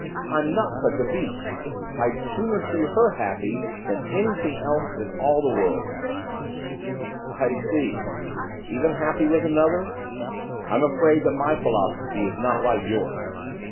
I'm not such a beast! I'd sooner see her happy than anything else in all the world.' 'I see. Even happy with another? I'm afraid that my philosophy is not like yours.